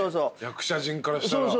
役者陣からしたら。